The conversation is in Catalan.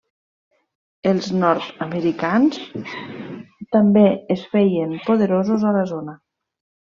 Els nord-americans també es feien poderosos a la zona.